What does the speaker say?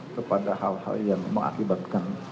kepada hal hal yang mengakibatkan